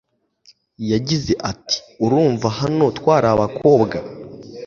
yagize ati urumva hano twari abakobwa